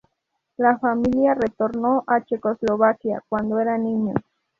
La familia retornó a Checoslovaquia cuando era niño.